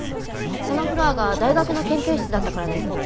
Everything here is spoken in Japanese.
そのフロアが大学の研究室だったからです。